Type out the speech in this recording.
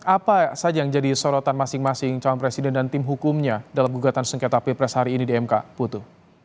apa saja yang jadi sorotan masing masing calon presiden dan tim hukumnya dalam gugatan sengketa pilpres hari ini di mk putu